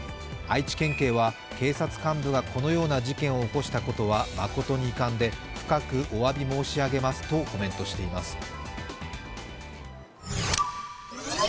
愛知県警は警察幹部がこのような事件を起こしたことは誠に遺憾で深くおわび申し上げますとコメントしています。